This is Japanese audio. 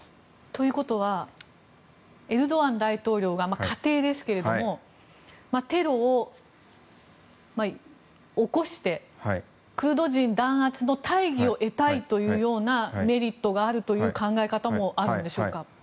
ということはエルドアン大統領が、仮定ですがテロを起こしてクルド人弾圧の大義を得たいというようなメリットがあるという考え方もあるんでしょうか。